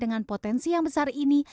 kepala prodi bisnis digital umkm